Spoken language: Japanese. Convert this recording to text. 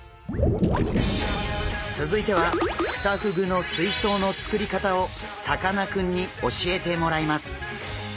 続いてはクサフグの水槽の作り方をさかなクンに教えてもらいます！